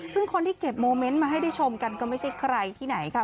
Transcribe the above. ซึ่งคนที่เก็บโมเมนต์มาให้ได้ชมกันก็ไม่ใช่ใครที่ไหนค่ะ